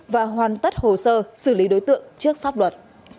và hoàn tất hồ sơ xử lý đối tượng trước pháp luật